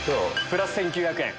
プラス１９００円。